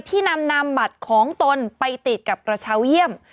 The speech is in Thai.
ที่นำนำบัตรของตนไปติดกับกระเช้าเยี่ยม